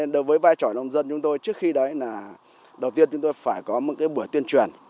đối với vai trò nông dân chúng tôi trước khi đấy là đầu tiên chúng tôi phải có một buổi tuyên truyền